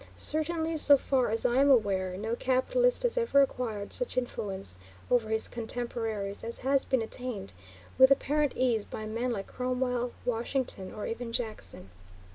Certainly, so far as I am aware, no capitalist has ever acquired such influence over his contemporaries as has been attained with apparent ease by men like Cromwell, Washington, or even Jackson.